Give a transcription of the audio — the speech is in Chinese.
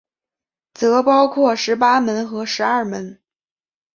则包括十八门和十二门。